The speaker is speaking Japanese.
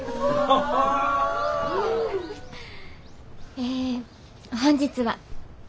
え本日は。